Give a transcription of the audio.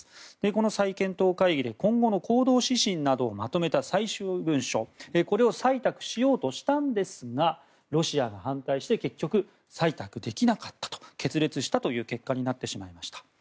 この再検討会議で今後の行動指針などをまとめた最終文書を採択しようとしたんですがロシアが反対して結局、採択できなかった決裂したという結果になってしまいました。